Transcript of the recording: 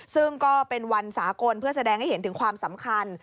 ซึ่งก็เป็นวันสากลเพื่อแสดงให้เห็นถึงความสำคัญ